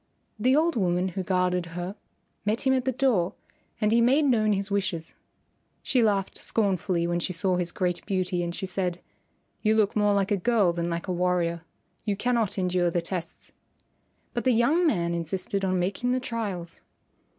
The old woman who guarded her met him at the door and he made known his wishes. She laughed scornfully when she saw his great beauty, and she said, "You look more like a girl than like a warrior. You cannot endure the tests." But the young man insisted on making the trials.